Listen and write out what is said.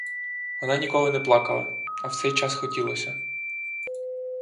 Вона ніколи не плакала, а в цей час хотілося.